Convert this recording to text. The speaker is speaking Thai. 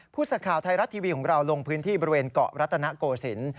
พูดสักข่าวไทยรัฐทีวีลงพื้นที่บริเวณเกาะรัตนโกสิน